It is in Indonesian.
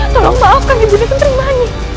tolong maafkan ibunda kenterbangi